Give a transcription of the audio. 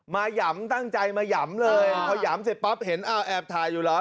หย่ำตั้งใจมาหย่ำเลยพอหยามเสร็จปั๊บเห็นอ้าวแอบถ่ายอยู่เหรอ